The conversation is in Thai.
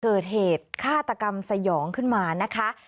เกิดเหตุฆาตกรรมสยองขึ้นมานะคะ